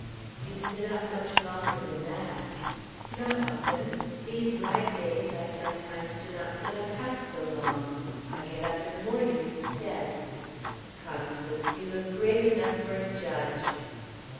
"You sit up much longer than that?" "Not often. These light days, I sometimes do not sit up half so long; I get up in the morning, instead. Constance, you look grave enough for a judge!"